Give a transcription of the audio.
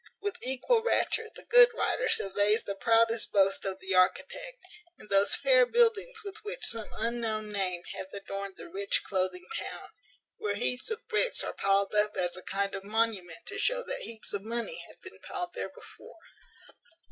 With equal rapture the good rider surveys the proudest boasts of the architect, and those fair buildings with which some unknown name hath adorned the rich cloathing town; where heaps of bricks are piled up as a kind of monument to show that heaps of money have been piled there before.